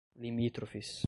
limítrofes